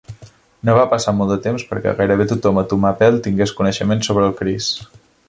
No va passar molt de temps perquè gairebé tothom a Tumapel tingués coneixement sobre el kris.